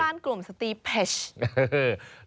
แม่บ้านกลุ่มสตีเพชร